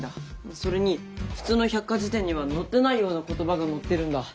それに普通の百科事典には載ってないような言葉が載ってるんだ。